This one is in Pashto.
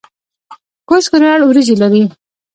کوز کونړ وریجې لري؟